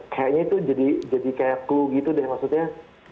kayaknya itu jadi kayak clue gitu deh maksudnya